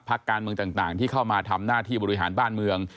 การเมืองต่างที่เข้ามาทำหน้าที่บริหารบ้านเมือง